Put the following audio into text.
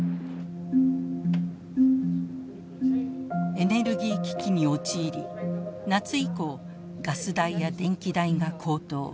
エネルギー危機に陥り夏以降ガス代や電気代が高騰。